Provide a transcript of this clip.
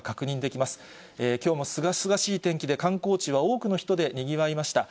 きょうもすがすがしい天気で、観光地は多くの人でにぎわいました。